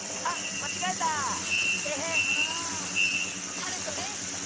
ハルトです。